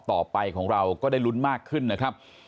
ต่อไปของเราก็ได้ลุ้นมากขึ้นนะครับ